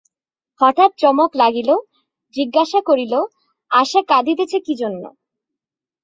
হঠাৎ চমক লাগিল, জিজ্ঞাসা করিল, আশা কাঁদিতেছে কী জন্য।